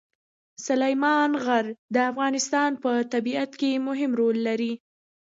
سلیمان غر د افغانستان په طبیعت کې مهم رول لري.